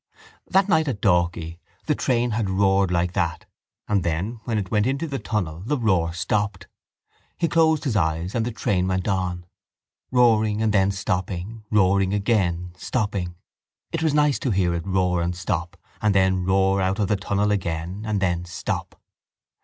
That night at Dalkey the train had roared like that and then, when it went into the tunnel, the roar stopped. He closed his eyes and the train went on, roaring and then stopping; roaring again, stopping. It was nice to hear it roar and stop and then roar out of the tunnel again and then stop.